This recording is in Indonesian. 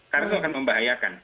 karena itu akan membahayakan